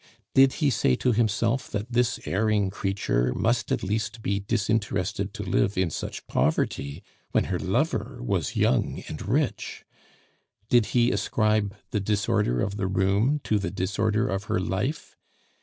Did he say to himself that this erring creature must at least be disinterested to live in such poverty when her lover was young and rich? Did he ascribe the disorder of the room to the disorder of her life?